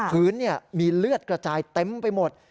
พื้นมีเลือดกระจายเต็มไปหมด